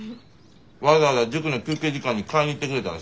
わざわざ塾の休憩時間に買いに行ってくれたらしいわ。